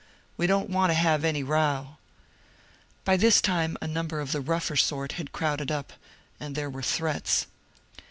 We don't want to have any row." By this time a number of the rougher sort had crowded up and there were threats.